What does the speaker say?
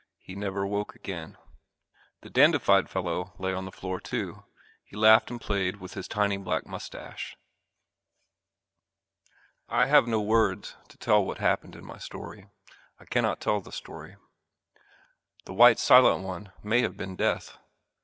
He never awoke again. The dandified fellow lay on the floor too. He laughed and played with his tiny black mustache. I have no words to tell what happened in my story. I cannot tell the story. The white silent one may have been Death.